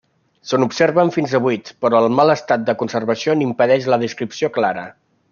Se n'observen fins a vuit, però el mal estat de conservació n'impedeix la descripció clara.